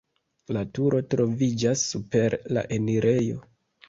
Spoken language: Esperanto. La turo troviĝas super la enirejo.